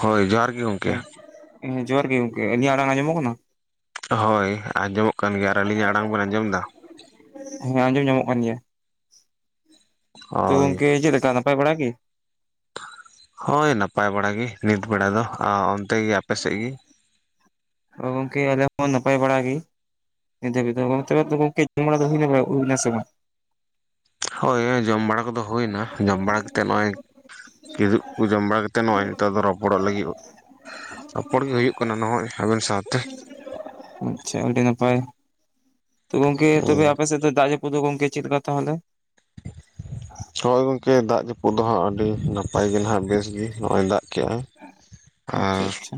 ᱦᱳᱭ ᱡᱚᱦᱟᱨ ᱜᱮ ᱜᱚᱢᱠᱮ᱾ ᱦᱮᱸ ᱦᱮᱸ ᱡᱚᱦᱟᱨ ᱜᱮ ᱜᱚᱝᱠᱮ ᱟᱹᱞᱤᱧᱟᱜ ᱟᱲᱟᱝ ᱟᱸᱡᱚᱢᱚᱜ ᱠᱟᱱᱟ? ᱦᱳᱭ ᱟᱸᱡᱚᱢᱚᱜ ᱠᱟᱱ ᱜᱮᱭᱟ ᱾ ᱟᱨ ᱟᱹᱞᱤᱧᱟᱜ ᱟᱲᱟᱝ ᱵᱮᱱ ᱟᱸᱡᱚᱢ ᱫᱟ? ᱦᱮᱸ ᱟᱸᱡᱚᱢ ᱧᱟᱢᱚᱜ ᱠᱟᱱ ᱜᱮᱭᱟ᱾ ᱛᱚ ᱦᱳᱭ ᱜᱚᱢᱠᱮ ᱪᱮᱫ ᱞᱮᱠᱟ ᱱᱟᱯᱟᱭ ᱵᱟᱲᱟ ᱜᱮ? ᱦᱳᱭ ᱱᱟᱯᱟᱭ ᱵᱟᱲᱟ ᱜᱮ ᱱᱤᱛ ᱵᱮᱲᱟ ᱫᱚ, ᱟᱨ ᱚᱱᱛᱮ ᱜᱮ ᱟᱯᱮ ᱥᱮᱫ ᱜᱮ? ᱜᱚᱝᱠᱮ ᱟᱞᱮ ᱠᱚ ᱦᱚᱸ ᱱᱟᱯᱟᱭ ᱵᱟᱲᱟ ᱜᱮ᱾ ᱱᱤᱛ ᱦᱟᱵᱤᱡ ᱫᱚᱵᱮ ᱛᱚ ᱜᱚᱢᱠᱮ ᱡᱚᱢ ᱵᱟᱲᱟ ᱦᱩᱭᱱᱟ ᱥᱮ ᱵᱟᱝ ᱦᱳᱭ ᱦᱳᱭ ᱡᱚᱢ ᱵᱟᱲᱟ ᱠᱚᱫᱚ ᱦᱩᱭᱱᱟ ᱡᱚᱢ ᱵᱟᱲᱟ ᱠᱟᱛᱮᱫ ᱱᱚᱜᱼᱚᱭ ᱠᱤᱫᱩᱜ ᱠᱚ ᱡᱚᱢ ᱵᱟᱲᱟ ᱠᱟᱛᱮᱫ ᱱᱚᱜᱼᱚᱭ ᱱᱤᱛᱚᱜ ᱫᱚ ᱨᱚᱯᱚᱲᱚᱜ ᱞᱟᱹᱜᱤᱫ ᱨᱚᱯᱚᱲ ᱜᱮ ᱦᱩᱭᱩᱜ ᱠᱟᱱᱟ ᱱᱚᱜᱼᱚᱭ ᱟᱵᱮᱱ ᱥᱟᱶᱼᱼ ᱟᱪᱪᱷᱟ ᱟᱹᱰᱤ ᱱᱟᱯᱟᱭ᱾ ᱛᱚ ᱜᱚᱝᱠᱮ ᱛᱚᱵᱮ ᱟᱯᱮ ᱥᱮᱫ ᱫᱚ ᱫᱟᱜ ᱡᱟᱹᱯᱩᱫ ᱫᱚ ᱜᱚᱝᱠᱮ ᱪᱮᱫ ᱞᱮᱠᱟ ᱛᱟᱦᱚᱞᱮ? ᱦᱳᱭ ᱜᱚᱝᱠᱮ ᱫᱟᱜ ᱡᱟᱹᱯᱩᱫ ᱫᱚᱦᱟᱸᱜ ᱟᱹᱰᱤ ᱱᱟᱯᱟᱭ ᱜᱮᱱ ᱦᱟᱸᱜ ᱵᱮᱥ ᱜᱮ ᱱᱚᱜᱼᱚᱭ ᱫᱟᱜ ᱠᱮᱟᱭ ᱟᱨ ᱟᱪᱪᱷᱟ ᱟᱪᱪᱷᱟ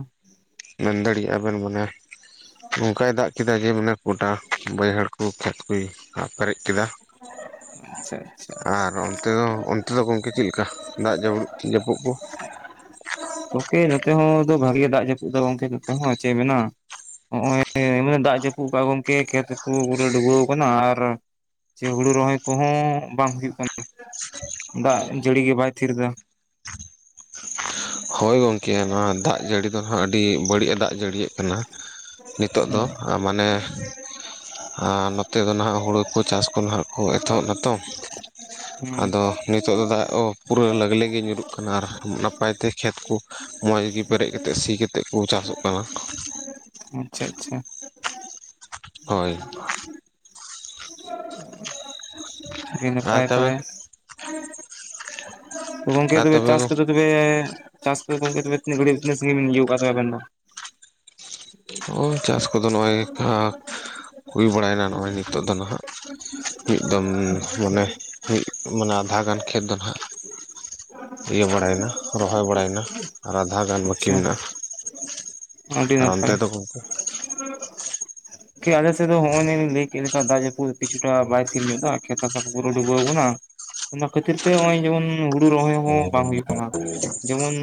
ᱢᱮᱱ ᱫᱟᱲᱮᱭᱟᱜᱼᱟ ᱵᱮᱱ ᱢᱟᱱᱮ ᱱᱚᱝᱠᱟᱭ ᱫᱟᱜ ᱠᱮᱫᱟ ᱡᱮ ᱢᱟᱱᱮ ᱜᱚᱴᱟ ᱵᱟᱹᱭᱦᱟᱹᱲ ᱠᱚ ᱠᱷᱮᱛ ᱠᱚᱭ ᱟ ᱯᱮᱨᱮᱡ ᱠᱮᱫᱟ᱾ [unintelligible] ᱟᱨ ᱚᱱᱛᱮ ᱫᱚ ᱚᱱᱛᱮ ᱫᱚ ᱜᱚᱝᱠᱮ ᱪᱮᱫ ᱞᱮᱠᱟ ᱫᱟᱜ ᱡᱟᱹᱯᱩ ᱡᱟᱹᱯᱩᱫ ᱠᱚ? ᱜᱚᱝᱠᱮ ᱱᱚᱛᱮ ᱦᱚᱸ ᱵᱷᱟᱜᱮ ᱫᱟᱜ ᱡᱟᱹᱯᱩᱫ ᱫᱚ ᱜᱚᱝᱠᱮ ᱱᱚᱛᱮ ᱦᱚᱸ ᱪᱮᱫ ᱢᱮᱱᱟ ᱱᱚᱭᱟ ᱮ ᱫᱟᱜ ᱡᱟᱹᱯᱩᱫ ᱠᱟ ᱜᱚᱢᱠᱮ ᱠᱷᱮᱛ ᱯᱩᱨᱚ ᱰᱩᱵᱟᱹᱣ ᱟᱠᱟᱱᱟ ᱟᱨ ᱥᱮ ᱦᱩᱲᱩ ᱨᱚᱦᱚᱭ ᱠᱚᱦᱚᱸ ᱵᱟᱝ ᱦᱩᱭᱩᱜ ᱠᱟᱱᱟ ᱫᱟᱜ ᱡᱟᱹᱲᱤ ᱜᱮ ᱵᱟᱭ ᱛᱷᱤᱨ ᱫᱟ ᱦᱳᱭ ᱜᱚᱝᱠᱮ ᱱᱚᱣᱟ ᱫᱟᱜ ᱡᱟᱹᱲᱤ ᱫᱚ ᱱᱟᱦᱟᱜ ᱟᱹᱰᱤ ᱵᱟᱹᱲᱤᱡ ᱮ ᱫᱟᱜ ᱡᱟᱹᱲᱤᱭᱮᱜ ᱠᱟᱱᱟ᱾ ᱱᱤᱛᱚᱜ ᱫᱚ ᱢᱟᱱᱮ ᱟᱨ ᱱᱚᱛᱮ ᱫᱚ ᱦᱟᱸᱜ ᱦᱩᱲᱩ ᱠᱚ ᱪᱟᱥ ᱠᱚ ᱠᱚ ᱮᱛᱚᱦᱚᱵ ᱱᱟᱛᱚ᱾ ᱦᱮᱸ ᱟᱫᱚ ᱱᱤᱛᱚᱜ ᱫᱚ ᱫᱟᱜ ᱦᱚᱸ ᱯᱩᱨᱟᱹ ᱞᱟᱜᱽᱞᱮ ᱜᱮ ᱧᱩᱨᱩᱜ ᱠᱟᱱᱟ ᱟᱨ ᱱᱟᱯᱟᱭ ᱛᱮ ᱠᱷᱮᱛ ᱠᱚ ᱢᱚᱸᱡᱽ ᱜᱮ ᱯᱮᱨᱮᱡ ᱠᱟᱛᱮᱫ ᱥᱤ ᱠᱟᱛᱮᱫ ᱠᱚ ᱪᱟᱥᱚᱜ ᱠᱟᱱᱟ᱾ ᱟᱪᱪᱷᱟ ᱟᱪᱪᱷᱟ ᱦᱳᱭ ᱟᱹᱰᱤ ᱱᱟᱯᱟᱭ ᱛᱚᱵᱮ ᱜᱚᱝᱠᱮ ᱛᱚᱵᱮ ᱪᱟᱥ ᱠᱚᱫᱚ ᱛᱚᱵᱮ ᱪᱟᱥ ᱠᱚᱫᱚ ᱜᱚᱝᱠᱮ ᱛᱚᱵᱮ ᱛᱤᱱᱟᱹᱜ ᱜᱟᱲᱤ ᱛᱤᱱᱟᱹᱜ ᱥᱟᱺᱜᱤᱧ ᱵᱮᱱ ᱤᱭᱟᱹ ᱠᱟᱫ ᱛᱮ ᱟᱵᱮᱱ ᱫᱚ? ᱱᱚ ᱪᱟᱥ ᱠᱚᱫᱚ ᱱᱚᱜᱼᱚᱭ ᱦᱩᱭ ᱵᱟᱲᱟᱭᱮᱱᱟ ᱱᱚᱜᱼᱚᱭ ᱱᱤᱛᱚᱜ ᱫᱚ ᱱᱟᱦᱟᱜ᱾ ᱢᱤᱫ ᱫᱚᱢ ᱢᱟᱱᱮ ᱢᱤᱫ ᱢᱟᱱᱮ ᱟᱫᱷᱟ ᱜᱟᱱ ᱠᱷᱮᱛ ᱫᱚ ᱱᱟᱜ ᱤᱭᱟᱹ ᱵᱟᱲᱟᱭᱮᱱᱟ ᱨᱚᱦᱚᱭ ᱵᱟᱲᱟᱭᱱᱟ ᱟᱨ ᱟᱫᱷᱟ ᱜᱟᱱ ᱵᱟᱹᱠᱤ ᱟᱪᱪᱷᱟ ᱢᱮᱱᱟᱜᱼᱟ᱾ ᱟᱹᱰᱤ ᱟᱨ ᱱᱟᱯᱟᱭ ᱚᱱᱛᱮ ᱫᱚ ᱜᱚᱝᱠᱮ? ᱠᱤ ᱟᱞᱮᱥᱮᱫ ᱫᱚ ᱦᱚᱸᱜᱼᱚᱭ ᱱᱤᱱ ᱞᱟᱹᱭ ᱠᱮᱫ ᱞᱮᱠᱟ ᱫᱟᱜ ᱡᱟᱹᱯᱩ ᱠᱤᱪᱷᱩ ᱴᱟᱜ ᱵᱟᱭ ᱛᱷᱤᱨ ᱧᱚᱜ ᱮᱫᱟ ᱠᱷᱮᱛ ᱦᱟᱥᱟ ᱠᱚ ᱯᱩᱨᱟᱹ ᱰᱩᱵᱟᱹᱣ ᱟᱠᱟᱱᱟ᱾ ᱚᱱᱟ ᱠᱷᱟᱹᱛᱤᱨ ᱛᱮ ᱱᱚᱜᱼᱚᱭ ᱡᱮᱢᱚᱱ ᱦᱩᱲᱩ ᱨᱚᱦᱚᱭ ᱦᱚᱸ ᱵᱟᱝ ᱦᱩᱭᱩᱜ ᱠᱟᱱᱟ᱾ ᱡᱮᱢᱚᱱ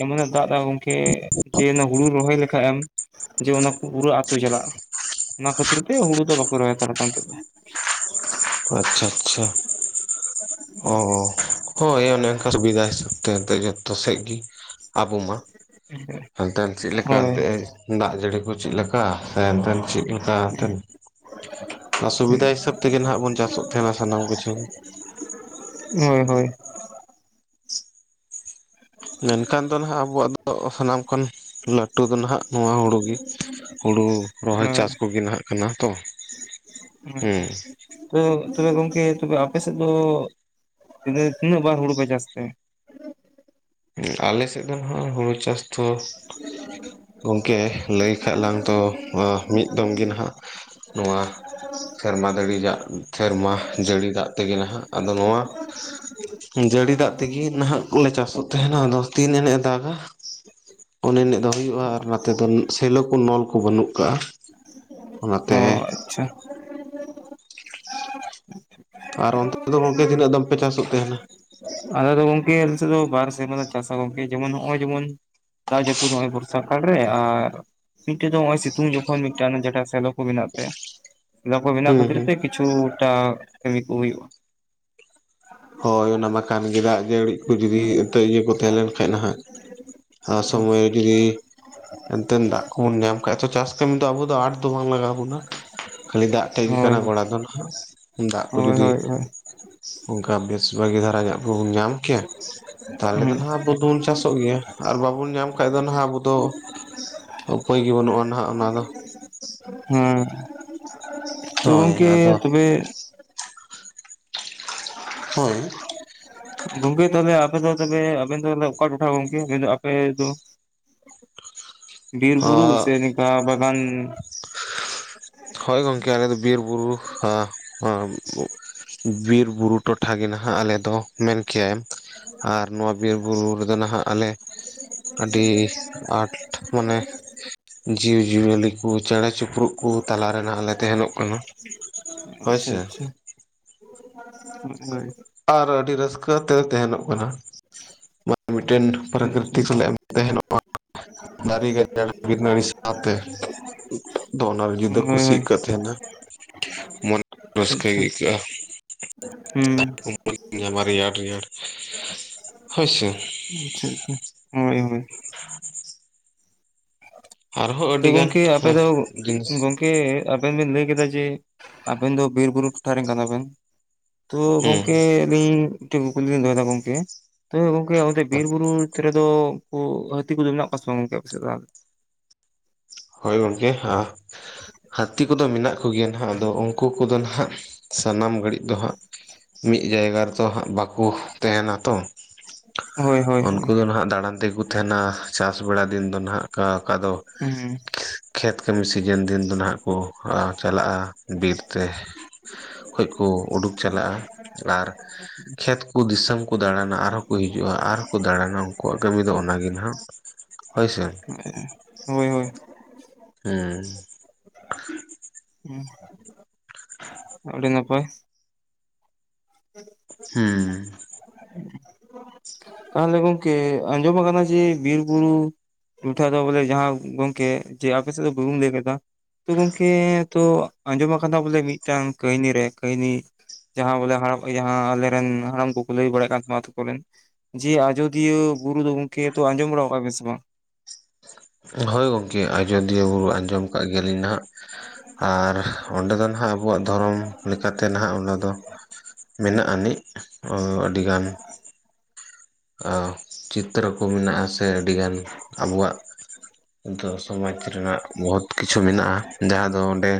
ᱮᱢᱚᱱᱮ ᱫᱟᱜ ᱮᱫᱟ ᱜᱚᱝᱠᱮ ᱡᱮ ᱱᱚ ᱦᱩᱲᱩ ᱨᱚᱦᱚᱭ ᱞᱮᱠᱷᱟᱡ ᱮᱢ ᱡᱮ ᱚᱱᱟ ᱠᱚ ᱯᱩᱨᱟᱹ ᱟᱹᱛᱩ ᱪᱟᱞᱟᱜᱼᱟ᱾ ᱚᱱᱟ ᱠᱷᱟᱹᱛᱤᱨ ᱛᱮ ᱦᱩᱲᱩ ᱫᱚ ᱵᱟᱠᱚ ᱨᱚᱦᱚᱭ ᱦᱟᱛᱟᱨ ᱫᱟ ᱱᱤᱛᱳᱜ ᱫᱚ᱾ ᱟᱪᱪᱷᱟ ᱟᱪᱪᱷᱟ ᱚ, ᱦᱳᱭ ᱚᱱᱮ ᱚᱱᱠᱟ ᱥᱩᱵᱤᱫᱷᱟ ᱦᱤᱥᱟᱹᱵ ᱛᱮ ᱮᱱᱛᱮ ᱡᱚᱛᱚ ᱥᱮᱫ ᱜᱮ ᱟᱵᱚ ᱢᱟ᱾ ᱦᱟᱱᱛᱮ ᱪᱮᱫᱞᱮᱠᱟ ᱦᱳᱭ ᱮᱱᱛᱮᱜ ᱮ ᱫᱟᱜ ᱡᱟᱹᱲᱤ ᱠᱚ ᱪᱮᱫ ᱞᱮᱠᱟ? ᱠᱟ ᱛᱟᱭᱚᱢ ᱛᱮᱱ ᱪᱮᱫᱠᱟ ᱛᱟᱱ ᱚᱥᱩᱵᱤᱫᱟ ᱦᱤᱥᱟᱹᱵ ᱛᱮᱜᱮ ᱟᱱᱦᱜ ᱵᱚᱱ ᱪᱟᱥᱚᱜ ᱛᱟᱸᱦᱮᱦᱱᱟ ᱥᱟᱱᱟᱢ ᱠᱤᱪᱷᱩ᱾ ᱦᱳᱭ ᱦᱳᱭ᱾ ᱢᱮᱱᱠᱷᱟᱱ ᱫᱚ ᱱᱟᱦᱜ ᱟᱵᱚᱣᱟᱜ ᱫᱚ ᱥᱟᱱᱟᱢ ᱠᱷᱚᱱ ᱞᱟᱹᱴᱩ ᱫᱚ ᱱᱟᱦᱟᱜ ᱱᱚᱣᱟ ᱦᱩᱲᱩ ᱜᱮ᱾ ᱦᱩᱲᱩ ᱨᱚᱦᱚᱭ ᱦᱳᱭ ᱪᱟᱥ ᱠᱚᱜᱮ ᱞᱟᱦᱟᱜ ᱠᱟᱱᱟ ᱛᱚ? ᱦᱳᱭ ᱦᱮᱸ ᱦᱳᱭ᱾ ᱛᱚ ᱛᱚᱵᱮ ᱜᱚᱝᱠᱮ ᱛᱚᱵᱮ ᱟᱯᱮ ᱥᱮᱫ ᱫᱚ ᱛᱤᱱᱟᱹᱜ ᱵᱟᱨ ᱦᱩᱲᱩ ᱯᱮ ᱪᱟᱥ ᱛᱮ? ᱩᱸ ᱟᱞᱮ ᱥᱮᱫ ᱫᱚ ᱦᱟᱸ ᱦᱩᱲᱩ ᱪᱟᱥ ᱫᱚ ᱜᱚᱝᱠᱮ ᱞᱟᱹᱭ ᱠᱷᱟᱡ ᱞᱟᱝ ᱛᱚ ᱢᱤᱫ ᱫᱚᱢ ᱜᱮ ᱱᱟᱦᱟᱜ ᱱᱚᱣᱟ ᱥᱮᱨᱢᱟ ᱫᱟᱹᱲᱤ ᱡᱟᱜ ᱥᱮᱨᱢᱟ ᱡᱟᱹᱲᱤ ᱫᱟᱜ ᱛᱮᱜᱮ ᱱᱟᱦᱟᱜ, ᱟᱫᱚ ᱱᱚᱣᱟ ᱡᱟᱹᱲᱤ ᱫᱟᱜ ᱛᱮᱜᱮ ᱱᱟᱦᱟᱜ ᱠᱚᱞᱮ ᱪᱟᱥᱚᱜ ᱛᱟᱦᱮᱱᱟ, ᱟᱫᱚ ᱛᱤᱱ ᱮᱱᱮᱜᱼᱮ ᱫᱟᱜᱟ ᱚᱱᱮ ᱮᱱᱮ ᱫᱟᱜ ᱠᱚ ᱦᱳᱭᱳᱜᱼᱟ ᱟᱨ ᱱᱟᱛᱮ ᱫᱚ ᱥᱮᱞᱚ ᱠᱚ ᱱᱚᱞ ᱠᱚ ᱵᱟᱹᱱᱩᱜ ᱠᱟᱜᱼᱟ᱾ ᱚ ᱚᱱᱟᱛᱮ ᱟᱪᱪᱷᱟ ᱟᱨ ᱚᱱᱛᱮ ᱫᱚ ᱜᱚᱝᱠᱮ ᱛᱤᱱᱟᱹᱜ ᱫᱟᱢ ᱯᱮ ᱪᱟᱥᱚᱜ ᱛᱟᱦᱮᱱᱟ? ᱟᱞ ᱫᱚ ᱜᱚᱝᱠᱮ ᱵᱤᱥᱤ ᱫᱚ ᱵᱟᱨ ᱥᱮᱢᱟ ᱞᱮ ᱪᱟᱥᱟ, ᱜᱚᱝᱠᱮ ᱡᱮᱢᱚᱱ ᱱᱚᱜᱼᱚᱭ ᱡᱮᱢᱚᱱ ᱫᱟᱜ ᱡᱟ. ᱯᱩᱫ ᱱᱚᱭ ᱵᱚᱨᱥᱟ ᱠᱟᱲ ᱨᱮ ᱟᱨ ᱢᱤᱫᱴᱮᱡ ᱫᱚ ᱱᱚᱜᱼᱚᱭ ᱥᱤᱛᱩᱝ ᱡᱚᱠᱷᱚᱱ ᱢᱤᱫᱴᱟᱱ ᱡᱟᱰᱟ ᱥᱮᱞᱳ ᱠᱚ ᱢᱮᱱᱟᱜ ᱛᱟᱭᱟ᱾ ᱚᱱᱟ ᱠᱚ ᱢᱮᱱᱟᱜ ᱦᱩᱸ ᱠᱷᱟᱹᱛᱤᱨ ᱦᱩᱸ ᱛᱮ ᱠᱤᱪᱷᱩᱴᱟ ᱠᱟᱹᱢᱤ ᱠᱚ ᱦᱩᱭᱩᱜᱼᱟ᱾ ᱦᱳᱭ ᱚᱱᱟ ᱵᱟᱠᱷᱟᱱ ᱜᱮ ᱫᱟᱜ ᱡᱟᱹᱲᱤ ᱠᱚ ᱠᱷᱩᱡᱞᱤ ᱮᱛ ᱤᱭᱟᱹ ᱠᱚ ᱛᱟᱦᱮᱸ ᱞᱮᱱᱠᱟᱸᱡ ᱱᱟᱸᱦᱟᱜ᱾ ᱟᱨ ᱥᱚᱢᱚᱭ ᱜᱤᱞᱤ ᱮᱱᱛᱮᱢ ᱫᱟᱜ ᱠᱚᱵᱚᱱ ᱧᱟᱢ ᱠᱷᱟᱡ ᱛᱚ ᱪᱟᱥ ᱠᱟᱹᱢᱤ ᱫᱚ ᱟᱵᱚ ᱫᱚ ᱟᱴ ᱫᱚ ᱵᱟᱝ ᱞᱟᱜᱟᱣ ᱵᱚᱱᱟ᱾ ᱠᱷᱟᱹᱞᱤ ᱫᱟᱜ ᱴᱮᱡ ᱜᱮ ᱦᱳᱭ ᱠᱟᱱᱟ ᱜᱚᱲᱟ ᱫᱚ ᱱᱟᱸᱦᱟᱜ ᱫᱟᱜ ᱠᱚ ᱦᱳᱭ ᱡᱩᱫᱤ ᱦᱳᱭ ᱦᱳᱭ ᱚᱱᱠᱟ ᱵᱮᱥ ᱵᱷᱟᱹᱜᱤ ᱫᱷᱟᱨᱟ ᱜᱮᱵᱚᱱ ᱧᱟᱢ ᱠᱮᱭᱟ᱾ ᱛᱟᱦᱚᱞᱮ ᱦᱩᱸ ᱫᱚ ᱱᱟᱸᱦᱜ ᱟᱵᱚ ᱫᱚᱵᱚᱱ ᱪᱟᱥᱚᱜ ᱜᱮᱭᱟ, ᱟᱨ ᱵᱟᱵᱚᱱ ᱧᱟᱢ ᱠᱷᱟ ᱫᱚ ᱱᱟᱜ ᱟᱵᱚ ᱫᱚ ᱩᱯᱟᱹᱭᱜ ᱜᱮ ᱵᱟᱹᱱᱩᱜᱼᱟ ᱱᱟᱦᱟᱜ ᱚᱱᱟ ᱫᱚ᱾ ᱦᱩᱸ ᱛᱚ ᱦᱳᱭ ᱜᱚᱝᱠᱮ ᱟᱫᱚ ᱛᱚᱵᱮ ᱦᱳᱭ᱾ ᱜᱚᱝᱠᱮ ᱛᱟᱦᱞᱮ ᱟᱯᱮ ᱫᱚ ᱛᱚᱵᱮ ᱟᱵᱮᱱ ᱫᱚ ᱚᱠᱟ ᱴᱚᱴᱷᱟ ᱜᱚᱢᱠᱮ, ᱢᱮᱱ ᱫᱚ ᱟᱯᱮ ᱫᱚ? [inaudible] ᱵᱤᱨ ᱚ ᱵᱩᱨᱩ ᱥᱮ ᱱᱚᱠᱟ ᱵᱟᱜᱟᱱ ᱦᱳᱭ ᱜᱚᱢᱠᱮ ᱟᱞᱮ ᱫᱚ ᱵᱤᱨᱵᱩᱨᱩ ᱦᱟᱸ ᱦᱟᱸ, ᱵᱤᱨᱵᱩᱨᱩ ᱴᱚᱴᱷᱟ ᱜᱮ ᱱᱟᱦᱟᱜ ᱟᱞᱮ ᱫᱚ ᱢᱮᱱ ᱠᱮᱭᱮᱢ᱾ ᱟᱨ ᱱᱚᱣᱟ ᱵᱤᱨ ᱵᱩᱨᱩ ᱨᱮᱫᱚ ᱱᱟᱦᱟᱜ ᱟᱞᱮ ᱟᱹᱰᱤ ᱟᱸᱴ ᱢᱟᱱᱮ ᱡᱤᱵᱽᱼᱡᱤᱭᱟᱹᱞᱤ ᱦᱩᱭ ᱪᱮᱬᱮ ᱪᱤᱯᱨᱩᱜ ᱠᱚ ᱛᱟᱨᱮ ᱱᱟᱦ ᱞᱮ ᱛᱮᱦᱮᱱᱚᱜ ᱠᱟᱱᱟ, ᱦᱳᱭ ᱥᱮ᱾ ᱦᱩᱸ ᱦᱳ ᱦᱳᱭ᱾ ᱟᱨ ᱟᱹᱰᱤ ᱨᱟᱹᱥᱠᱟᱹ ᱛᱮ ᱛᱟᱦᱮᱱᱚᱜ ᱠᱟᱱᱟ, ᱢᱟᱱᱮ ᱢᱤᱫᱴᱮᱱ ᱟᱪᱪᱷᱟ ᱯᱨᱟᱠᱨᱤᱛ ᱟᱪᱪᱷᱟ ᱥᱟᱞᱟᱜ ᱛᱟᱦᱮᱱᱚᱜ-ᱟ ᱫᱟᱨᱮ ᱜᱟᱡᱟᱲ [unintelligible] ᱥᱟᱶᱛᱮ᱾ ᱫᱚ ᱚᱱᱟ ᱡᱩᱫᱟᱹ ᱦᱳᱭ ᱠᱩᱥᱤ ᱦᱳᱭ ᱠᱟ ᱛᱟᱦᱮᱸᱱᱟ ᱢᱚᱱᱮ ᱟᱪᱪᱷᱟ ᱨᱟᱹᱥᱠᱟᱹ ᱟᱪᱪᱷᱟ ᱜᱮ ᱟᱹᱭᱠᱟᱹᱜᱼᱟ᱾ ᱦᱩᱸ [unintelligible] ᱵᱟᱨᱭᱟ ᱨᱮᱭᱟᱲ ᱦᱳᱭ ᱥᱮ᱾ [unintelligible] ᱦᱳᱭ ᱦᱳᱭ᱾ [inaudible] ᱟᱨᱦᱚᱸ ᱛᱚ ᱟᱹᱰᱤᱜᱟᱱ ᱜᱚᱝᱠᱮ ᱟᱯᱮ ᱫᱚ, ᱡᱤᱱᱤᱥ ᱜᱚᱢᱠᱮ ᱜᱚᱝᱠᱮ ᱟᱵᱮᱱ ᱵᱮᱱ ᱞᱟᱹᱭ ᱠᱮᱫᱟ ᱡᱮ ᱟᱵᱮᱱ ᱫᱚ ᱵᱤᱨ ᱵᱩᱨᱩ ᱴᱚᱴᱷᱟ ᱨᱮᱱ ᱠᱟᱱᱟ ᱵᱮᱱ᱾ ᱛᱚ ᱦᱮᱸ ᱜᱚᱢᱠᱮ ᱟᱹᱞᱤᱧ ᱢᱤᱫᱴᱮᱱ ᱠᱩᱠᱞᱤ ᱞᱤᱧ ᱫᱚᱦᱚᱭᱮᱫᱟ ᱜᱚᱢᱠᱮ᱾ ᱛᱚᱵᱮ ᱜᱚᱝᱠᱮ ᱚᱱᱛᱮ ᱵᱤᱨ ᱵᱩᱨᱩ ᱨᱮᱫᱚ ᱩᱱᱠᱩ ᱦᱟᱹᱛᱤ ᱠᱚᱫᱚ ᱢᱮᱱᱟᱜ ᱠᱚᱣᱟ ᱥᱮ ᱵᱟᱝ? ᱜᱚᱝᱠᱮ ᱟᱯᱮ ᱥᱮᱫ ᱫᱚ᱾ ᱦᱳᱭ ᱜᱚᱝᱠᱮ ᱦᱟ, ᱦᱟᱹᱛᱤ ᱠᱚᱫᱚ ᱢᱮᱱᱟᱜ ᱠᱚᱜᱮᱭᱟ ᱱᱟᱦᱟᱜ ᱟᱫᱚ, ᱩᱱᱠᱩ ᱠᱚᱫᱚ ᱱᱟᱦᱟᱜ, ᱥᱟᱱᱟᱢ ᱜᱷᱟᱹᱲᱤᱡ ᱫᱚ ᱦᱟᱸᱜ ᱢᱤᱫ ᱡᱟᱭᱜᱟ ᱨᱮᱫᱚ ᱦᱟᱸᱜ ᱵᱟ ᱠᱚ ᱛᱟᱦᱮᱸᱱᱟ ᱛᱚ, ᱦᱳᱭ ᱦᱳᱭ ᱦᱳᱭ ᱩᱱᱠᱩ ᱫᱚ ᱱᱟᱦᱟᱜ ᱫᱟᱬᱟᱱ ᱛᱮᱠᱚ ᱛᱟᱦᱮᱸᱱᱟ ᱪᱟᱥ ᱵᱮᱲᱟ ᱫᱤᱱ ᱫᱚ ᱱᱟᱦᱟᱜ ᱚᱠᱟ ᱚᱠᱟ ᱫᱚ ᱩᱦᱩᱸ ᱠᱷᱮᱛ ᱠᱟᱹᱢᱤ ᱥᱤᱡᱮᱱ ᱫᱤᱱ ᱫᱚ ᱱᱟᱦᱟᱜ ᱠᱚ ᱟ ᱪᱟᱞᱟᱜᱼᱟ ᱵᱤᱨ ᱛᱮ ᱠᱷᱚᱡ ᱠᱚ ᱩᱰᱩᱠ ᱪᱟᱞᱟᱜᱼᱟ ᱟᱨ ᱠᱷᱮᱛ ᱠᱩ ᱫᱤᱥᱚᱢ ᱠᱩ ᱫᱟᱬᱟᱱᱟ ᱟᱨᱦᱚᱸ ᱠᱚ ᱦᱤᱡᱩᱜᱼᱟ ᱟᱨ ᱠᱚ ᱫᱟᱬᱟᱱᱟ ᱩᱱᱠᱩᱣᱟᱜ ᱠᱟᱹᱢᱤ ᱫᱚ ᱚᱱᱟᱜᱮ ᱱᱟᱦᱟᱜ ᱦᱚᱭ ᱥᱮ ᱢᱮᱸᱻ ᱦᱚᱭ ᱦᱚᱭ ᱮᱸ ᱩᱸᱦ [inaudible] ‍‍ ᱟᱹᱰᱤ ᱱᱟᱯᱟᱭ [inaudible] ᱪᱷᱮᱸ ᱛᱟᱦᱞᱮ ᱜᱚᱢᱠᱮ ᱟᱧᱡᱚᱢ ᱠᱟᱱᱟ ᱡᱮ ᱵᱤᱨ ᱵᱩᱨᱩ ᱴᱚᱴᱷᱟ ᱫᱚ ᱵᱚᱞᱮ ᱡᱟᱦᱟᱸ ᱜᱚᱝᱠᱮ ᱡᱮ ᱟᱯᱮ ᱥᱮᱫ ᱫᱚ ᱵᱩᱨᱩᱢ ᱞᱮᱵᱮᱫᱟ ᱛᱚ ᱜᱚᱝᱠᱮ ᱛᱚ ᱟᱸᱡᱚᱢ ᱟᱠᱟᱫᱟ ᱵᱚᱞᱮ ᱢᱤᱫᱴᱟᱝ ᱠᱟᱹᱭᱱᱤ ᱨᱮ ᱠᱟᱹᱭᱱᱤ ᱡᱟᱦᱟᱸ ᱵᱚᱞᱮ ᱦᱟᱲᱟᱢ ᱡᱟᱦᱟᱸ ᱟᱞᱮᱨᱮᱱ ᱦᱟᱲᱟᱢ ᱠᱩ ᱞᱟᱹᱭ ᱵᱟᱲᱟ ᱟᱠᱟᱛ ᱠᱚᱣᱟ ᱞᱮ ᱠᱚᱨᱮᱱ ᱡᱮ ᱟᱡᱚᱫᱤᱭᱟᱹ ᱵᱩᱨᱩ ᱫᱚ ᱜᱚᱢᱠᱮ ᱛᱚ ᱟᱸᱡᱚᱢ ᱵᱟᱲᱟᱣᱟᱠᱟᱫ ᱟᱵᱮᱱ ᱥᱮ ᱵᱟᱝ ᱦᱚᱭ ᱜᱚᱝᱠᱮ ᱟᱡᱚᱫᱤᱭᱟᱹ ᱵᱩᱨᱩ ᱟᱸᱡᱚᱢ ᱟᱠᱟᱫ ᱜᱮᱭᱟᱞᱤᱧ ᱱᱟᱦᱟᱜ ᱟᱨ ᱚᱸᱰᱮ ᱫᱚ ᱱᱟᱦᱟᱜ ᱟᱵᱚᱣᱟᱜ ᱫᱷᱚᱨᱚᱢ ᱞᱮᱠᱟᱛᱮ ᱱᱟᱦᱟᱜ ᱚᱱᱟ ᱫᱚ ᱢᱮᱱᱟᱜ ᱟᱹᱱᱤᱡᱱ ᱚ ᱟᱹᱰᱤᱜᱟᱱ ᱟ ᱪᱤᱛᱨᱚ ᱠᱚ ᱢᱮᱱᱟᱜᱼᱟ ᱥᱮ ᱟᱹᱰᱤᱜᱟᱱ ᱟᱵᱚᱣᱟᱜ ᱫᱷᱟ ᱥᱚᱢᱟᱡᱽ ᱨᱮᱱᱟᱜ ᱵᱚᱦᱩᱛ ᱠᱤᱪᱷᱩ ᱢᱮᱱᱟᱜᱼᱟ ᱡᱟᱦᱟᱸ ᱫᱚ ᱚᱸᱰᱮ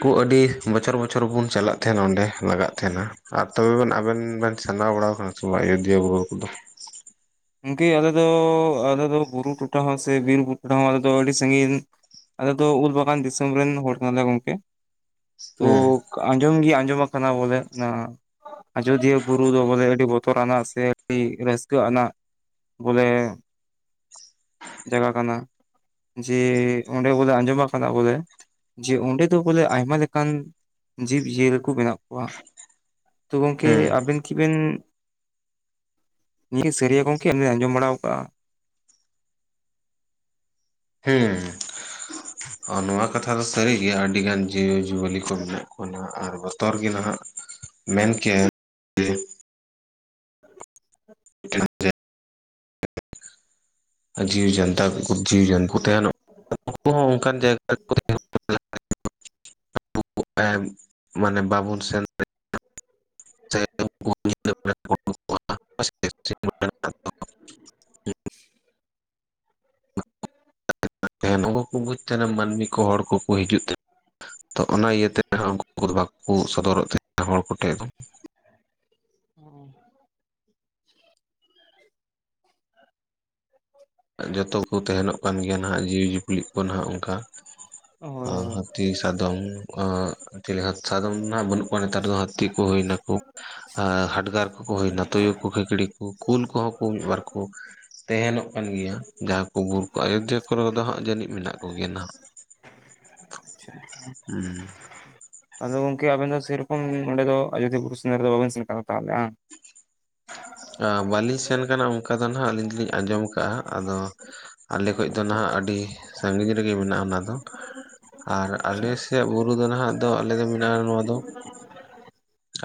ᱠᱚ ᱟᱹᱰᱤ ᱵᱚᱪᱷᱚᱨ ᱵᱚᱪᱷᱚᱨ ᱵᱚᱱ ᱪᱟᱞᱟᱜ ᱛᱟᱦᱮᱸᱱᱟ ᱚᱸᱰᱮ ᱞᱟᱜᱟᱜ ᱛᱟᱦᱮᱱᱟ ᱟᱨ ᱛᱚᱵᱮ ᱵᱮᱱ ᱟᱵᱮᱱ ᱵᱮᱱ ᱥᱮᱸᱫᱷᱟᱣ ᱵᱟᱲᱟ ᱟᱠᱟᱱᱟ ᱥᱮ ᱵᱟᱝ ᱟᱭᱚᱫᱷᱤᱭᱟᱹ ᱵᱩᱨᱩ ᱠᱚᱫᱚ ᱩᱱᱠᱤ ᱟᱞᱮ ᱫᱚ ᱟᱞᱮ ᱫᱚ ᱵᱩᱨᱩ ᱴᱚᱴᱷᱟ ᱦᱚᱸ ᱥᱮ ᱵᱤᱨ ᱵᱩᱨᱩ ᱴᱚᱴᱷᱟ ᱦᱚᱸ ᱟᱞᱮ ᱫᱚ ᱟᱹᱰᱤ ᱥᱟᱺᱜᱤᱧ ᱟᱞᱮ ᱫᱚ ᱩᱞ ᱵᱟᱜᱟᱱ ᱫᱤᱥᱚᱢ ᱨᱮᱱ ᱦᱚᱲ ᱠᱟᱱᱟᱞᱮ ᱜᱚᱝᱠᱮ ᱛᱚ ᱦᱩᱸ ᱟᱸᱡᱚᱢ ᱜᱮ ᱟᱸᱡᱚᱢ ᱟᱠᱟᱱᱟ ᱵᱚᱞᱮ ᱚᱱᱟ ᱟᱡᱚᱫᱤᱭᱟᱹ ᱵᱩᱨᱩ ᱫᱚ ᱵᱚᱞᱮ ᱟᱹᱰᱤ ᱵᱚᱛᱚᱨ ᱟᱱᱟᱜ ᱥᱮ ᱯᱤ ᱨᱟᱹᱥᱠᱟᱹ ᱟᱱᱟᱜ ᱵᱚᱞᱮ ᱡᱟᱭᱜᱟ ᱠᱟᱱᱟ ᱡᱮ ᱚᱸᱰᱮ ᱵᱚᱞᱮ ᱟᱸᱡᱚᱢ ᱟᱠᱟᱫᱟ ᱵᱚᱞᱮ ᱡᱮ ᱚᱸᱰᱮ ᱫᱚ ᱵᱚᱞᱮ ᱟᱭᱢᱟ ᱞᱮᱠᱟᱱ ᱡᱤᱵᱽ-ᱡᱤᱭᱟᱹᱞᱤ ᱠᱚ ᱢᱮᱱᱟᱜ ᱠᱚᱣᱟ᱾ ᱛᱚ ᱜᱚᱝᱠᱮ ᱦᱩᱸ ᱟᱵᱤᱱ ᱠᱤᱵᱮᱱ ᱱᱤᱭᱟᱹ ᱥᱟᱹᱨᱤᱭᱟ ᱜᱚᱝᱠᱮ ᱟᱸᱡᱚᱢ ᱵᱟᱲᱟᱣᱟᱠᱟᱜᱼᱟ ᱦᱮᱸ ᱟᱨ ᱱᱚᱶᱟ ᱠᱟᱛᱷᱟ ᱫᱚ ᱥᱟᱹᱨᱤ ᱜᱮᱭᱟ,,,,,,,,,,,, ᱟᱹᱰᱤ ᱜᱟᱱ ᱡᱤᱣᱼᱡᱤᱣᱟᱹᱞᱤ ᱠᱚ ᱢᱮᱱᱟᱜ ᱠᱚᱣᱟ ᱱᱟᱦᱟᱜ ᱟᱨ ᱵᱚᱛᱚᱨ ᱜᱮ ᱱᱟᱦᱟᱜ ᱢᱮᱱ ᱠᱮᱭᱟ ᱵᱮᱱ ᱴᱮᱲᱟᱠ ᱴᱮᱡ ᱡᱤᱣᱤ ᱡᱟᱱᱛᱟ ᱡᱤᱣᱤ ᱡᱚᱱᱛᱩ ᱛᱟᱦᱮᱱᱚᱜ ᱩᱱᱠᱩ ᱦᱚᱸ ᱚᱱᱠᱟᱱ ᱡᱟᱭᱜᱟ ᱨᱮᱠᱚ [inaudible] [unintelligible] ᱟᱵ ᱮᱢ ᱢᱟᱱᱮ ᱵᱟᱵᱚᱱ ᱥᱮᱱ ᱫᱟᱲᱮᱭᱟᱜ [inaudible] [unintelligible] ᱱᱩᱠᱩ ᱠᱚ ᱵᱩᱡᱽ ᱛᱟᱦᱮᱱᱟ ᱢᱟᱹᱱᱢᱤ ᱠᱚ ᱦᱚᱲ ᱠᱚᱠᱚ ᱦᱤᱡᱩᱜ ᱛᱮ ᱛᱚ ᱚᱱᱟ ᱤᱭᱟᱹᱛᱮ ᱦᱟᱸᱜ ᱩᱱᱠᱩ ᱠᱚᱫᱚ ᱵᱟᱠᱚ ᱥᱚᱫᱚᱨᱚᱜ ᱛᱟᱦᱮᱸᱱᱟ ᱦᱚᱲ ᱠᱚᱴᱷᱮᱫ [inaudible] ᱡᱚᱛᱚ ᱠᱚ ᱛᱟᱦᱮᱱᱚᱜ ᱠᱟᱱ ᱜᱮᱭᱟ ᱱᱟᱦᱟᱜ ᱡᱤᱣᱤᱼ ᱡᱤᱯᱞᱤᱜ ᱠᱚ ᱱᱟᱦᱟᱜ ᱚᱱᱠᱟ ᱦᱳᱭ ᱦᱳᱭ ᱦᱟᱹᱛᱤᱥ ᱥᱟᱫᱚᱢ ᱟᱸᱜ ᱪᱤᱞᱤ ᱥᱟᱫᱚᱢ ᱱᱟᱜ ᱵᱟᱹᱱᱩᱜ ᱠᱚᱣᱟ ᱱᱮᱛᱟᱨ ᱫᱚ ᱦᱟᱹᱛᱤ ᱠᱚ ᱦᱩᱭ ᱱᱟᱠᱚ ᱾ ᱦᱟᱰᱜᱟᱨ ᱠᱚᱠᱚ ᱦᱩᱭᱱᱟ ᱛᱩᱭᱩ ᱠᱚ ᱠᱷᱮᱠᱲᱤ ᱠᱚ ᱠᱩᱞ ᱠᱚᱦᱚᱸ ᱠᱚ ᱢᱤᱫᱵᱟᱨ ᱠᱚ ᱛᱮᱦᱮᱱᱚᱜ ᱠᱟᱱ ᱜᱮᱭᱟ ᱡᱟᱦᱟᱸ ᱠᱚ ᱵᱩᱨᱩ ᱠᱚ ᱟᱭᱚᱫᱷᱭᱟ ᱠᱚᱨᱮ ᱫᱚ ᱦᱟᱸᱜ ᱡᱟᱹᱱᱤᱡ ᱢᱮᱱᱟᱜ ᱠᱚᱜᱮᱭᱟ ᱱᱟᱦᱟᱸᱜ ᱾ [inaudible] ᱟᱪᱷᱟ ᱟᱫᱚ ᱜᱚᱝᱠᱮ ᱟᱵᱮᱱ ᱫᱚ ᱥᱮᱨᱚᱠᱚᱢ ᱱᱚᱸᱰᱮ ᱫᱚ ᱟᱡᱚᱫᱤᱭᱟᱹ ᱵᱩᱨᱩ ᱥᱮᱸᱫᱽᱨ ᱨᱮᱫᱚ ᱵᱟᱵᱮᱱ ᱥᱮᱱ ᱟᱠᱟᱫᱟ ᱛᱟᱦᱚᱞᱮ ᱾ ᱵᱟᱹᱞᱤᱧ ᱥᱮᱱ ᱠᱟᱱᱟ ᱚᱱᱠᱟ ᱫᱚ ᱦᱟᱸᱜ ᱟᱹᱞᱤᱧ ᱫᱚᱞᱤᱧ ᱟᱸᱡᱚᱢ ᱠᱟᱜᱼᱟ ᱟᱫᱚ ᱟᱞᱮ ᱠᱷᱚᱡ ᱫᱚ ᱱᱟᱦᱟᱜ ᱟᱪᱪᱷᱟ ᱟᱹᱰᱤ ᱥᱟᱺᱜᱤᱧ ᱨᱮᱜᱮ ᱢᱮᱱᱟᱜᱼᱟ ᱚᱱᱟ ᱫᱚ ᱾ ᱟᱨ ᱟᱪᱪᱷᱟ ᱟᱞᱮᱥᱮᱭᱟᱜ ᱵᱩᱨᱩ ᱫᱚ ᱱᱟᱦᱟᱜ ᱫᱚ ᱟᱞᱮ ᱫᱚ ᱢᱮᱱᱟᱜᱼᱟ ᱱᱚᱣᱟ ᱫᱚ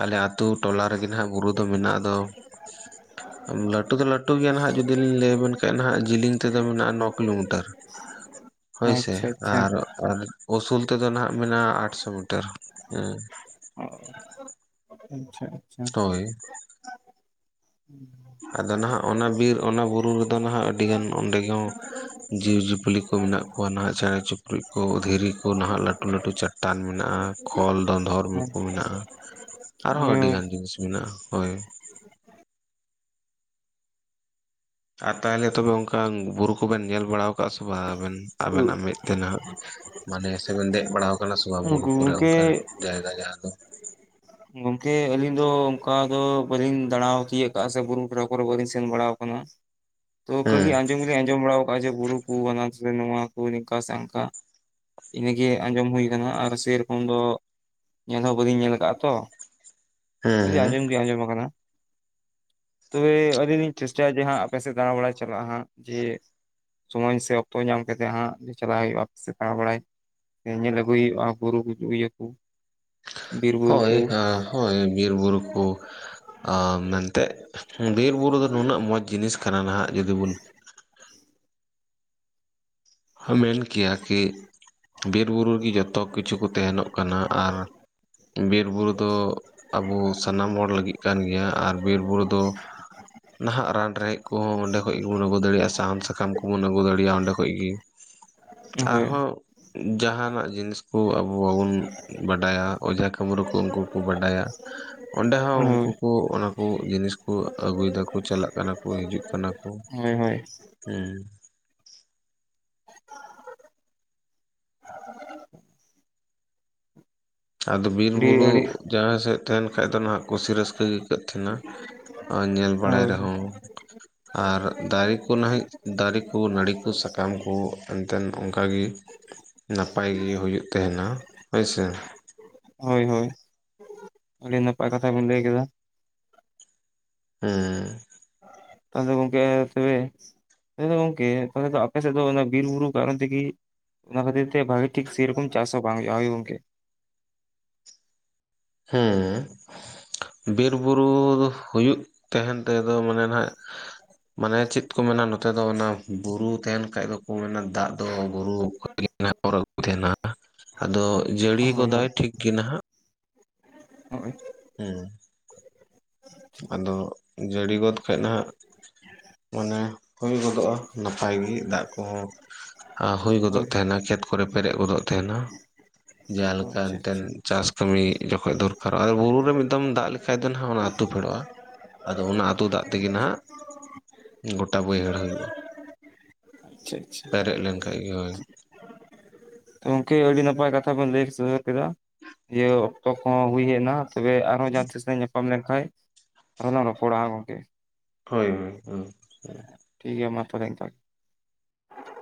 ᱟᱞᱮ ᱟᱛᱳ ᱴᱚᱞᱟ ᱨᱮᱜᱮ ᱱᱟᱦᱟᱜ ᱵᱩᱨᱩ ᱫᱚ ᱢᱮᱱᱟᱜ ᱟᱫᱚ ᱞᱟᱹᱴᱩ ᱫᱚ ᱞᱟᱹᱴᱩ ᱞᱟᱹᱴᱩ ᱜᱮᱭᱟ ᱱᱟᱦᱟᱜ ᱡᱩᱫᱤ ᱞᱤᱧ ᱞᱟᱹᱭ ᱟᱵᱮᱱ ᱠᱷᱟᱡ ᱱᱟᱦᱟᱜ ᱡᱤᱞᱤᱝ ᱛᱮᱫᱚ ᱢᱮᱱᱟᱜᱼᱟ ᱱᱚ ᱠᱤᱞᱳᱢᱤᱴᱟᱨ ᱾ ᱦᱳᱭ ᱥᱮ ᱟᱪᱪᱷᱟ ᱟᱪᱪᱷᱟ ᱟᱨ ᱟᱨ ᱩᱥᱩᱞ ᱛᱮᱫᱚ ᱱᱟᱦᱟᱜ ᱢᱮᱱᱟᱜᱼᱟ ᱟᱴᱥᱚ ᱢᱤᱴᱟᱨ ᱦᱮᱸ ᱾ ᱟᱪᱪᱷᱟ ᱟᱪᱪᱷᱟ ᱾ ᱦᱳᱭ ᱟᱫᱚ ᱱᱟᱦᱟᱜ ᱚᱱᱟ ᱵᱤᱨ ᱚᱱᱟ ᱵᱩᱨᱩ ᱨᱮᱫᱚ ᱱᱟᱦᱟᱜ ᱟᱹᱰᱤᱜᱟᱱ ᱚᱸᱰᱮ ᱜᱮ ᱡᱤᱵᱽᱼᱡᱤᱭᱟᱹᱞᱤ ᱠᱚ ᱢᱮᱱᱟᱜ ᱠᱚᱣᱟ ᱱᱟᱦᱟᱜ ᱪᱮᱬᱮ ᱪᱤᱯᱲᱩᱫ ᱠᱚ ᱫᱷᱤᱨᱤ ᱠᱚ ᱱᱟᱦᱟᱜ ᱞᱟᱹᱴᱩ ᱞᱟᱹᱴᱩ ᱪᱟᱴᱟᱱ ᱢᱮᱱᱟᱜᱼᱟ ᱾ ᱠᱚᱞ ᱫᱷᱚᱫᱚᱨ ᱠᱚ ᱢᱮᱱᱟᱜᱼᱟ ᱟᱨᱦᱚᱸ ᱟᱹᱰᱤ ᱜᱟᱱ ᱡᱤᱱᱤᱥ ᱢᱮᱱᱟᱜᱼᱟ ᱦᱳᱭ ᱾ ᱟᱨ ᱛᱟᱦᱚᱞᱮ ᱛᱚᱵᱮ ᱚᱱᱠᱟᱱ ᱵᱩᱨᱩ ᱠᱚᱵᱮᱱ ᱧᱮᱞ ᱵᱟᱲᱟ ᱟᱠᱟᱫᱼᱟ ᱥᱮ ᱵᱟᱝ ᱟᱵᱮᱱ ᱟᱵᱮᱱᱟᱜ ᱢᱤᱫ ᱛᱮᱱᱟᱜ ᱢᱟᱱᱮ ᱥᱮᱵᱮᱱ ᱫᱮᱡ ᱵᱟᱲᱟᱣ ᱟᱠᱟᱱᱟ ᱥᱮ ᱵᱟᱝ ᱵᱩᱨᱩ ᱠᱚ ᱨᱮ ᱜᱚᱝᱠᱮ ᱚᱱᱠᱟᱱ ᱡᱟᱭᱜᱟ ᱡᱟᱦᱟᱸ ᱫᱚ ᱜᱚᱝᱠᱮ ᱟᱹᱞᱤᱧ ᱫᱚ ᱚᱱᱠᱟ ᱫᱚ ᱵᱟᱹᱞᱤᱧ ᱫᱟᱲᱟ ᱛᱤᱭᱚᱜ ᱟᱠᱟᱫᱼᱟ ᱥᱮ ᱵᱩᱨᱩ [inaudible] ᱠᱚᱨᱮ ᱵᱟᱹᱞᱤᱧ ᱥᱮᱱ ᱵᱟᱲᱟ ᱟᱠᱟᱱᱟ ᱾ ᱛᱚ ᱦᱮᱸ ᱠᱷᱟᱹᱞᱤ ᱟᱸᱡᱚᱢ ᱞᱤᱧ ᱟᱸᱡᱚᱢ ᱵᱟᱲᱟ ᱠᱟᱜᱼᱟ ᱡᱮ ᱵᱩᱨᱩ ᱠᱚ ᱱᱚᱣᱟ ᱠᱚ ᱱᱤᱝᱠᱟ ᱥᱮ ᱦᱟᱝᱠᱟ ᱾ ᱤᱱᱟᱹᱜᱮ ᱟᱸᱡᱚᱢ ᱦᱩᱭ ᱟᱠᱟᱱᱟ ᱟᱨ ᱥᱮᱨᱚᱠᱚᱢ ᱫᱚ ᱧᱮᱞ ᱦᱚᱸ ᱵᱟᱹᱞᱤᱧ ᱧᱮᱞ ᱟᱠᱟᱫᱼᱟ ᱛᱚ ᱾ ᱦᱮᱸ ᱦᱮᱸ ᱟᱸᱡᱚᱢ ᱜᱮ ᱟᱸᱡᱚᱢ ᱟᱠᱟᱱᱟ ᱾ ᱛᱚᱵᱮ ᱟᱹᱞᱤᱧ ᱞᱤᱧ ᱪᱮᱥᱴᱟᱭᱟ ᱡᱮ ᱦᱟᱸᱜ ᱟᱯᱮ ᱥᱮᱫ ᱫᱟᱲᱟ ᱵᱟᱲᱟᱭ ᱪᱟᱞᱟᱜᱼᱟ ᱦᱟᱸᱜ ᱡᱮ ᱥᱳᱚᱢᱚᱭ ᱥᱮ ᱚᱠᱛᱚ ᱧᱟᱢ ᱠᱟᱛᱮ ᱦᱟᱸᱜ ᱪᱟᱞᱟᱜ ᱦᱩᱭᱩᱜᱼᱟ ᱟᱯᱮ ᱥᱮᱫ ᱫᱟᱲᱟ ᱵᱟᱲᱟᱭ ᱧᱮᱧ ᱟᱹᱜᱩᱭ ᱦᱩᱭᱩᱜᱼᱟ ᱵᱩᱨᱩ [unintelligible] ᱵᱤᱨᱵᱩᱨᱩ ᱦᱳᱭ ᱠᱚ ᱾ ᱦᱳᱭ ᱵᱤᱨ ᱵᱩᱨᱩ ᱠᱚ ᱟ ᱢᱮᱱᱛᱮ ᱵᱤᱨ ᱵᱩᱨᱩ ᱫᱚ ᱱᱩᱱᱟᱹᱜ ᱢᱚᱸᱡᱽ ᱡᱤᱱᱤᱥ ᱠᱟᱱᱟ ᱱᱟᱦᱟᱜ ᱡᱩᱫᱤ ᱵᱚᱱ ᱦᱟᱢᱮᱱ ᱠᱮᱭᱟ ᱠᱤ ᱵᱤᱨᱵᱩᱨᱩ ᱨᱮ ᱜᱮ ᱡᱚᱛᱚ ᱠᱤᱪᱷᱩ ᱠᱚ ᱛᱟᱦᱮᱱᱚᱜ ᱠᱟᱱᱟ ᱟᱨ ᱵᱤᱨᱵᱩᱨᱩ ᱫᱚ ᱟᱵᱚ ᱥᱟᱱᱟᱢ ᱦᱚᱲ ᱞᱟᱹᱜᱤᱫ ᱠᱟᱱ ᱜᱮᱭᱟ ᱟᱨ ᱵᱤᱨᱵᱩᱨᱩ ᱫᱚ ᱱᱟᱦᱟᱜ ᱨᱟᱱ ᱨᱮᱦᱮᱫ ᱠᱚᱦᱚᱸ ᱚᱸᱰᱮ ᱠᱷᱚᱡ ᱜᱮᱵᱚᱱ ᱟᱹᱜᱩ ᱫᱟᱲᱮᱭᱟᱜᱼᱟ ᱥᱟᱦᱟᱱ ᱥᱟᱠᱟᱢ ᱠᱚᱵᱚᱱ ᱟᱹᱜᱩ ᱫᱟᱲᱮᱭᱟᱜᱼᱟ ᱚᱸᱰᱮ ᱠᱷᱚᱡ ᱜᱮ ᱾ ᱟᱨ ᱦᱳᱭ ᱦᱚᱸ ᱡᱟᱦᱟᱸᱱᱟᱜ ᱡᱤᱱᱤᱥ ᱠᱚ ᱟᱵᱚ ᱵᱟᱵᱚᱱ ᱵᱟᱰᱟᱭᱟ ᱚᱡᱷᱟ ᱠᱟᱹᱢᱨᱩ ᱠᱚ ᱩᱱᱠᱩ ᱠᱚ ᱵᱟᱰᱟᱭᱟ ᱾ ᱚᱸᱰᱮ ᱦᱚᱸ ᱦᱳᱭ ᱩᱱᱠᱩ ᱠᱚ ᱚᱱᱟ ᱠᱚ ᱡᱤᱱᱤᱥ ᱠᱚ ᱟᱹᱜᱩᱭ ᱫᱟᱠᱚ ᱪᱟᱞᱟᱜ ᱠᱟᱱᱟ ᱠᱚ ᱦᱤᱡᱩᱜ ᱠᱟᱱᱟ ᱠᱚ ᱾ ᱦᱳᱭ ᱦᱳᱭ ᱾ ᱦᱮᱸ ᱟᱫᱚ ᱵᱤᱨ ᱟᱹᱰᱤ ᱵᱩᱨᱩ ᱟᱹᱰᱤ ᱡᱟᱦᱟᱸ ᱥᱮᱫ ᱛᱟᱦᱮᱸᱱ ᱠᱷᱟᱡ ᱫᱚ ᱱᱟᱦᱟᱜ ᱠᱩᱥᱤ ᱨᱟᱹᱥᱠᱟᱹ ᱜᱮ ᱟᱹᱭᱠᱟᱹᱜ ᱛᱟᱦᱮᱸᱱᱟ ᱾ ᱟᱨ ᱧᱮᱞ ᱵᱟᱲᱟᱭ ᱦᱳᱭ ᱨᱮ ᱦᱚᱸ ᱾ ᱟᱨ ᱫᱟᱨᱮ ᱠᱚ ᱱᱟᱦ ᱫᱟᱨᱮ ᱠᱚ ᱱᱟᱹᱲᱤ ᱠᱚ ᱥᱟᱠᱟᱢ ᱠᱚ ᱮᱱᱛᱮᱫ ᱚᱝᱠᱟ ᱜᱮ ᱱᱟᱯᱟᱭ ᱜᱮ ᱦᱩᱭᱩᱜ ᱛᱟᱦᱮᱸᱱᱟ ᱦᱮᱭ ᱥᱮ ᱦᱳᱭ ᱦᱳᱭ ᱟᱹᱰᱤ ᱱᱟᱯᱟᱭ ᱠᱟᱛᱷᱟ ᱵᱤᱱ ᱞᱟᱹᱭ ᱠᱮᱫᱟ ᱦᱩᱸ ᱟᱫᱚ ᱜᱚᱝᱠᱮ ᱛᱚᱵᱮ ᱛᱟᱦᱚᱞᱮ ᱜᱚᱝᱠᱮ ᱯᱟᱞᱮ ᱟᱯᱮ ᱥᱮᱫ ᱫᱚ ᱵᱤᱨᱼ ᱵᱩᱨᱩ ᱠᱟᱨᱚᱱ ᱛᱮ ᱜᱮ ᱚᱱᱟ ᱠᱷᱟᱹᱛᱤᱨ ᱛᱮ ᱵᱷᱟᱹᱜᱤ ᱴᱷᱤᱠ ᱥᱮᱭᱨᱚᱠᱚᱢ ᱪᱟᱥ ᱵᱟᱝ ᱦᱩᱭᱩᱜ-ᱟ ᱦᱚᱭ ᱜᱚᱝᱠᱮ ᱦᱮᱸ ᱵᱤᱨᱼᱵᱩᱨᱩ ᱫᱚ ᱦᱩᱭᱩᱜ ᱛᱟᱦᱮᱸᱱ ᱛᱮᱫᱚ ᱢᱟᱱᱮ ᱱᱟᱭ ᱢᱟᱱᱮ ᱪᱮᱫ ᱠᱚ ᱢᱮᱱᱟ ᱱᱚᱛᱮ ᱫᱚ ᱚᱱᱟ ᱵᱩᱨᱩ ᱛᱟᱦᱮᱸᱱ ᱠᱷᱟᱡ ᱫᱚ ᱠᱚ ᱢᱮᱱᱟ ᱫᱟᱜ ᱫᱚ ᱵᱩᱨᱩ ᱚᱨ ᱛᱟᱦᱮᱸᱱᱟ ᱟᱫᱚ ᱡᱟᱹᱲᱤ ᱦᱳᱭ ᱜᱚᱫᱟᱭ ᱦᱳᱭ ᱴᱷᱤᱠ ᱜᱮ ᱱᱟᱦᱟᱜ [inaudible] ᱦᱳ ᱦᱮᱸ ᱟᱫᱚ ᱡᱟᱹᱲᱤ ᱜᱚᱫ ᱠᱷᱚᱡ ᱱᱟᱜ ᱚᱱᱮ ᱦᱩᱭ ᱜᱚᱫᱚᱜᱼᱟ ᱱᱟᱯᱟᱭ ᱜᱮ ᱫᱟᱜ ᱠᱩᱦᱚᱸ ᱦᱟᱸ ᱦᱩᱭ ᱜᱚᱫᱚᱜ ᱦᱳᱭ ᱛᱟᱦᱮᱱᱟ ᱠᱷᱮᱛ ᱠᱚᱨᱮ ᱯᱮᱨᱮᱡ ᱜᱚᱫᱚᱜ ᱛᱟᱦᱮᱱᱟ ᱡᱟᱦᱟᱸ ᱦᱳᱭ ᱞᱮᱠᱟ ᱟᱪᱪᱷᱟ ᱮᱱᱛᱮᱫ ᱟᱪᱪᱷᱟ ᱪᱟᱥ ᱠᱟᱹᱢᱤ ᱡᱚᱠᱷᱚᱜ ᱫᱚᱨᱠᱟᱨᱚᱜᱼᱟ ᱵᱩᱨᱩ ᱨᱮ ᱢᱤᱫ ᱫᱚᱢ ᱫᱟᱜ ᱞᱮᱠᱷᱟᱡ ᱫᱚ ᱱᱟᱦᱟᱜ ᱚᱱᱟ ᱟᱹᱛᱩ ᱯᱷᱮᱰᱚᱜᱼᱟ ᱟᱫᱚ ᱚᱱᱟ ᱟᱹᱛᱩ ᱫᱟᱜ ᱛᱮᱜᱮ ᱱᱟᱜ ᱜᱚᱴᱟ ᱵᱟᱹᱭᱦᱟᱹᱲ ᱦᱩᱭᱩᱜᱼᱟ ᱟᱪᱷᱟ ᱟᱪᱷᱟ ᱯᱮᱨᱮᱡ ᱞᱮᱱᱠᱷᱟᱡ ᱜᱮ ᱦᱳᱭ ᱜᱚᱢᱠᱮ ᱟᱹᱰᱤ ᱱᱟᱯᱟᱭ ᱠᱟᱛᱷᱟ ᱵᱚᱱ ᱞᱟᱹᱭ ᱥᱚᱫᱚᱨ ᱠᱮᱫᱟ ᱡᱮ ᱚᱠᱛᱚ ᱠᱚᱦᱚᱸ ᱦᱩᱭ ᱦᱮᱡ ᱮᱱᱟ ᱛᱚᱵᱮ ᱟᱨᱦᱚᱸ ᱡᱟᱦᱟᱸ ᱛᱤᱥ ᱞᱟᱝ ᱧᱟᱯᱟᱢ ᱞᱮᱱ ᱠᱷᱟᱡ ᱟᱨᱚᱸ ᱞᱟᱝ ᱨᱚᱯᱚᱲᱟ ᱜᱚᱢᱠᱮ ᱦᱳᱭ ᱦᱳᱭ ᱴᱷᱤᱠ ᱜᱮᱭᱟ ᱢᱟ ᱛᱚᱵᱮ ᱮᱱᱠᱟ ᱜᱮ